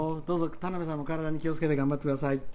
どうぞ、田邊さんも体に気をつけて頑張ってください。